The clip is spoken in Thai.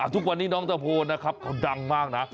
ทุกวันนี้น้องตะโพนนะครับเขาดังมากนะ